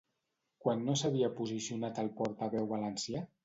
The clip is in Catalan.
Quan no s'havia posicionat el portaveu valencià?